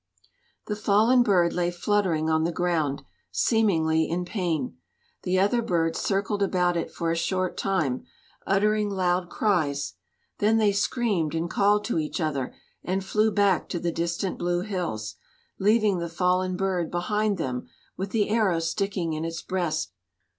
The fallen bird lay fluttering on the ground, seemingly in pain. The other birds circled about it for a short time, uttering loud cries. Then they screamed and called to each other and flew back to the distant blue hills, leaving the fallen bird behind them with the arrow sticking in its breast.